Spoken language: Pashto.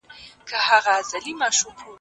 استاد زما ستاینه کوي.